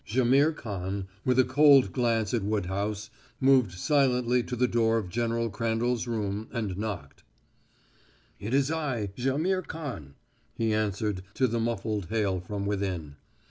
Jaimihr Khan, with a cold glance at Woodhouse, moved silently to the door of General Crandall's room and knocked. "It is I Jaimihr Khan," he answered to the muffled hail from within.